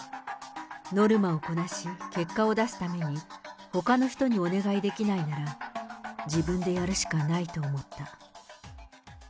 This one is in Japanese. ノルマをこなし、結果を出すために、ほかの人にお願いできないなら自分でやるしかないと思った。